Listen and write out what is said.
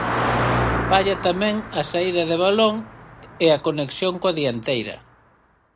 Falla tamén a saída de balón e a conexión coa dianteira.